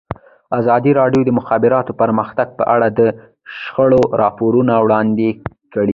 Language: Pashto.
ازادي راډیو د د مخابراتو پرمختګ په اړه د شخړو راپورونه وړاندې کړي.